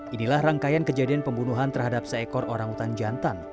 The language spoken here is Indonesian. inilah rangkaian kejadian pembunuhan terhadap seekor orangutan jantan